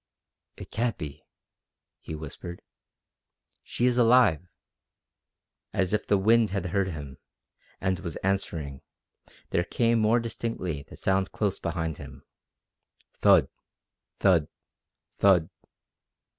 "It can't be," he whispered. "She is alive!" As if the wind had heard him, and was answering, there came more distinctly the sound close behind him. _Thud! Thud! Thud!